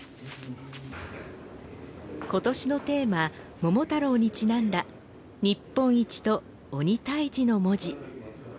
今年のテーマ『桃太郎』にちなんだ「日本一」と「鬼退治」の文字。